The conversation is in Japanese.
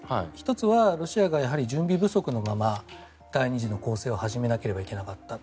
１つはロシアが準備不足のまま第２次の攻勢を始めなければいけなかった。